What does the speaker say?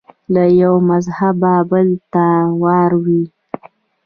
له یوه مذهبه بل ته واوړي